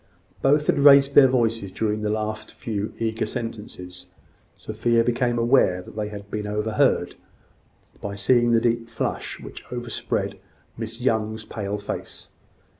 Both had raised their voices during the last few eager sentences. Sophia became aware that they had been overheard, by seeing the deep flush which overspread Miss Young's pale face.